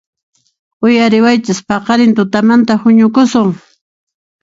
¡Uyariwaychis! ¡Paqarin tutamantan huñukusun!